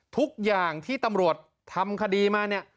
ทุกอย่างที่ตำรวจทำคดีมาเนี่ย